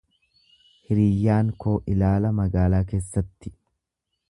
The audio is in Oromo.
Hiriyyaan koo ilaala magaalaa keessatti.